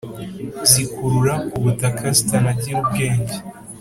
zikurura ku butaka zitanagira ubwenge,